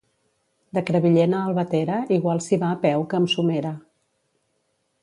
De Crevillent a Albatera igual s'hi va a peu que amb somera.